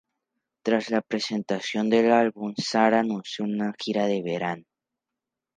Tras la presentación del álbum Zahara anunció una gira de verano.